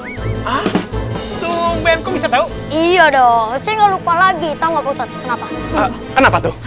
hai ah tuh benco bisa tahu iya dong sih enggak lupa lagi tahu apa kenapa kenapa tuh